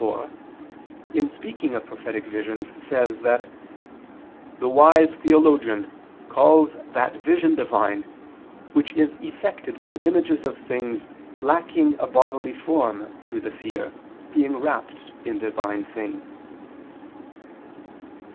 iv), in speaking of prophetic visions, says that "the wise theologian calls that vision divine which is effected by images of things lacking a bodily form through the seer being rapt in divine things."